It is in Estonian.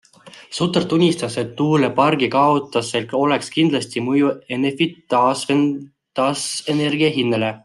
Sutter tunnistas, et tuulepargi kaotusel oleks kindlasti mõju Enefit Taastuvenergia hinnale.